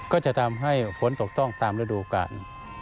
ก็จะทำให้ฝนตกต้องตามฤดูกาล